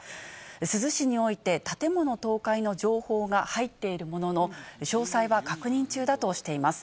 珠洲市において、建物倒壊の情報が入っているものの、詳細は確認中だとしています。